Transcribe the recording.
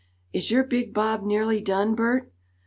"Is your big bob nearly done, Bert?"